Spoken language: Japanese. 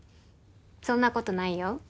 そんなことないよ。